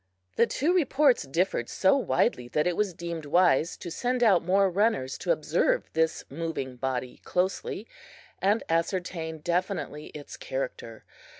The two reports differed so widely that it was deemed wise to send out more runners to observe this moving body closely, and ascertain definitely its character.